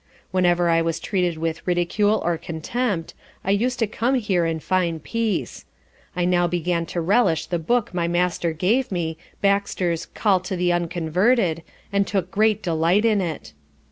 Whenever I was treated with ridicule or contempt, I used to come here and find peace. I now began to relish the book my Master gave me, Baxter's Call to the unconverted, and took great delight in it.